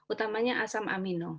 utamanya asam amino